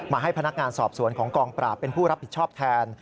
ให้พนักงานสอบสวนของกองปราบเป็นผู้รับผิดชอบแทน